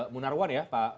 munarwan ya pak